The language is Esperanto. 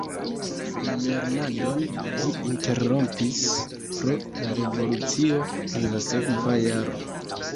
La lernadon li interrompis pro la revolucio en la sekva jaro.